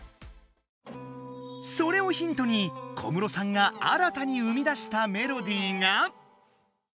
それをヒントに小室さんが新たに生み出したメロディーが。